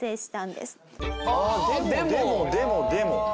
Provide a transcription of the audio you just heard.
でもでもでもでも。